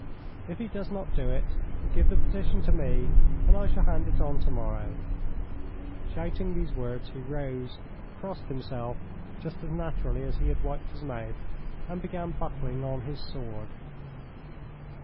If he does not do it, give the petition to me, and I shall hand it on to morrow." Shouting these words, he rose, crossed himself just as naturally as he had wiped his mouth, and began buckling on his sword.